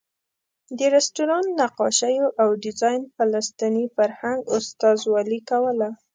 د رسټورانټ نقاشیو او ډیزاین فلسطیني فرهنګ استازولې کوله.